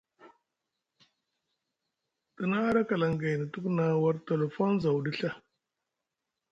Te na haɗa kalaŋ gaini tuku na war tolofon zaw ɗi Ɵa.